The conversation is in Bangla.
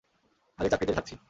আগের চাকরিতেই থাকছি।